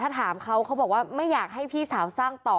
ถ้าถามเขาเขาบอกว่าไม่อยากให้พี่สาวสร้างต่อ